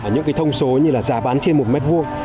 những cái thông số như là giá bán trên một mét vuông